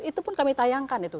itu pun kami tayangkan itu